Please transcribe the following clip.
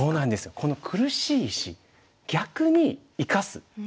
この苦しい石逆に生かす。